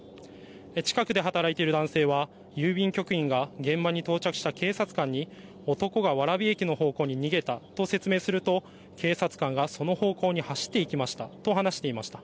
近くで働いている男性は郵便局員が現場に到着した警察官に男が蕨駅の方向に逃げたと説明すると警察官がその方向に走っていきましたと話していました。